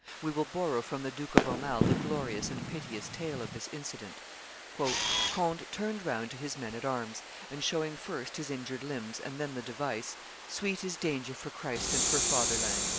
We will borrow from the Duke of Aumale the glorious and piteous tale of this incident. "Conde turned round to his men at arms, and showing first his injured limbs and then the device, 'Sweet is danger for Christ and for fatherland!